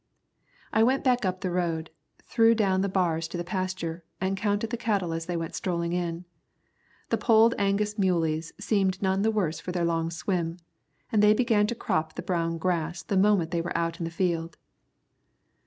I went back up the road, threw down the bars to the pasture, and counted the cattle as they went strolling in. The Polled Angus muleys seemed none the worse for their long swim, and they began to crop the brown grass the moment they were out in the field.